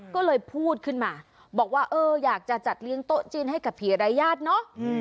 ก็เลยพูดขึ้นมาบอกว่าเอออยากจะจัดเลี้ยงโต๊ะจีนให้กับผีรายญาติเนอะ